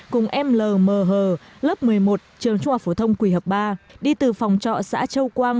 cùng em lm hờ lớp một mươi một trường trung học phổ thông quỳ hợp ba đi từ phòng trọ xã châu quang